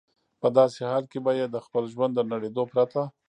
په داسې حال کې به یې د خپل ژوند د نړېدو پرته.